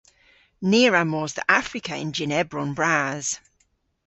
Ni a wra mos dhe Afrika yn jynn ebron bras.